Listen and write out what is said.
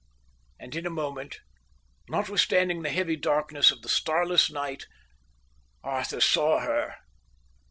And in a moment, notwithstanding the heavy darkness of the starless night, Arthur saw her.